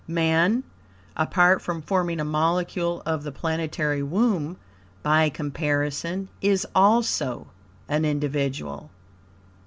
Man, apart from forming a molecule of the planetary womb, by comparison, is also an individual.